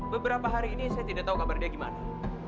beberapa hari ini saya tidak tahu kabar dia gimana